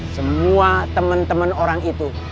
semua temen temen orang itu